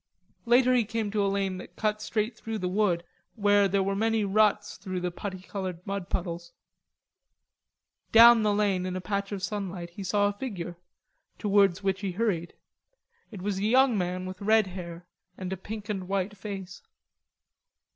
Later he came to a lane that cut straight through the wood where there were many ruts through the putty coloured mud puddles; Down the lane in a patch of sunlight he saw a figure, towards which he hurried. It was a young man with red hair and a pink and white face.